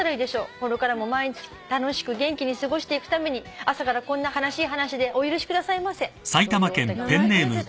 「これからも毎日楽しく元気に過ごしていくために朝からこんな悲しい話でお許しくださいませ」というお手紙頂きました。